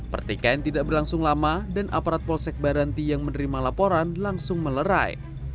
pertikaian tidak berlangsung lama dan aparat polsek baranti yang menerima laporan langsung melerai